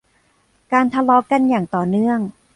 การทะเลาะกันอย่างต่อเนื่อง